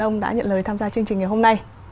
ông đã nhận lời tham gia chương trình ngày hôm nay